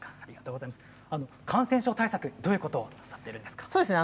感染症対策どういうことをされていますか？